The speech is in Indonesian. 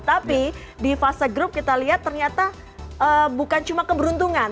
tapi di fase grup kita lihat ternyata bukan cuma keberuntungan